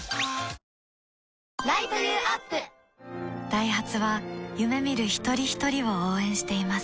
ダイハツは夢見る一人ひとりを応援しています